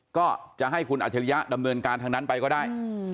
ก็จะให้คุณอัจฉริยะดำเนินการทางนั้นไปก็ได้